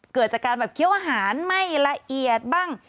เกิดจากการแบบเคี้ยวอาหารไม่ละเอียดบ้าง